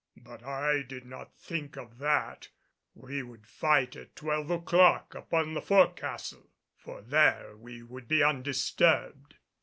But I did not think of that. We would fight at twelve o'clock upon the fore castle, for there we would be undisturbed.